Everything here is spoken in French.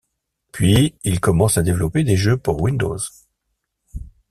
Puis il commence à développer des jeux pour Windows.